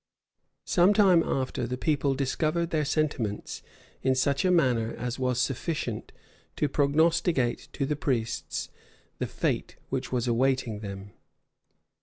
Some time after, the people discovered their sentiments in such a manner as was sufficient to prognosticate to the priests the fate which was awaiting them.